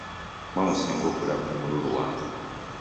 Mmwe musinga okulaga omululu wano.